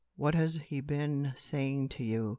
What has he been saying to you?